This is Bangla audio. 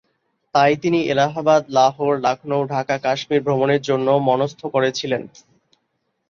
তাই তিনি এলাহাবাদ, লাহোর, লখনউ, ঢাকা, কাশ্মীর ভ্রমণের জন্যও মনস্থ করেছিলেন।